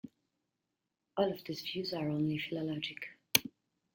All of these views are only philologic.